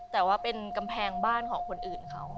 แต่ว่าเป็นกำแพงบ้านของคนอื่นเขา